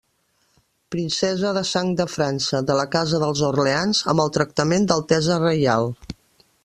Princesa de sang de França de la casa dels Orleans amb el tractament d'altesa reial.